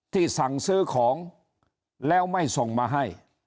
สั่งซื้อของแล้วไม่ส่งมาให้